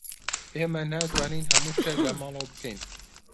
ئێمە ناتوانین هەموو شتێک لە ماڵەوە بکەین.